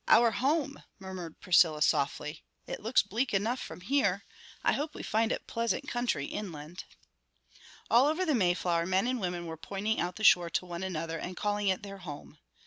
"Our home!" murmured Priscilla softly. "It looks bleak enough from here. I hope we find it pleasant country inland." All over the Mayflower men and women were pointing out the shore to one another and calling it their home.